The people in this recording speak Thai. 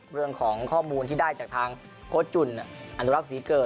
เรื่องของข้อมูลที่ได้จากทางโค้ชจุ่นอนุรักษ์ศรีเกิด